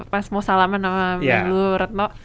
pas mau salaman sama menlu retno